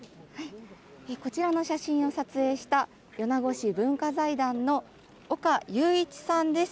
こちらの写真を撮影した、米子市文化財団の岡雄一さんです。